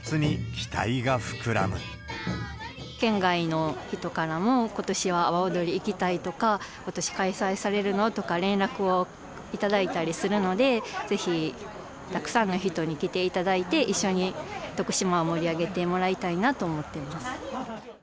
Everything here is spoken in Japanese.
県外の人からも、ことしは阿波踊り行きたいとか、ことし開催されるの？とか、連絡を頂いたりするので、ぜひたくさんの人に来ていただいて、一緒に徳島を盛り上げてもらいたいなと思ってます。